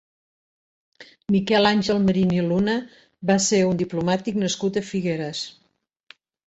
Miquel Àngel Marín i Luna va ser un diplomàtic nascut a Figueres.